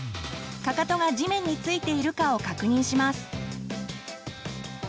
かかとが地面に着いているかを確認します。